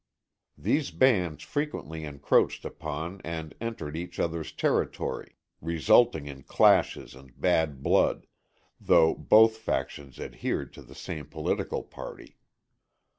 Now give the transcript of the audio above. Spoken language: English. These bands frequently encroached upon and entered each other's territory, resulting in clashes and bad blood, though both factions adhered to the same political party.